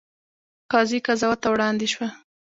قاضي قضات ته وړاندې شوه.